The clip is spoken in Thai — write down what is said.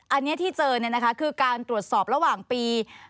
อันนี้ที่เจอเนี่ยนะคะคือการตรวจสอบระหว่างปี